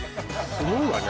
すごいわね